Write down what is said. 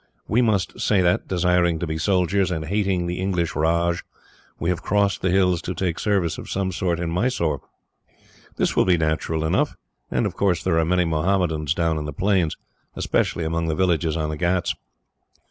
We must say that, desiring to be soldiers, and hating the English raj, we have crossed the hills to take service of some sort in Mysore. This will be natural enough: and of course there are many Mohammedans down in the plains, especially among the villages on the ghauts."